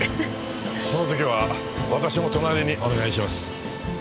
その時は私も隣にお願いします。